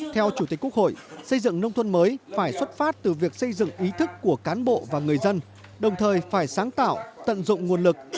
theo chủ tịch quốc hội xây dựng nông thôn mới phải xuất phát từ việc xây dựng ý thức của cán bộ và người dân đồng thời phải sáng tạo tận dụng nguồn lực